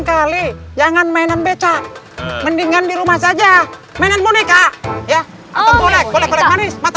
kali jangan mainan becak mendingan di rumah saja mainan boneka ya atau kolek boleh kolek manis mata